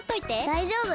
だいじょうぶ！